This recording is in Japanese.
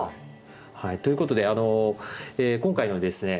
はいということで今回のですね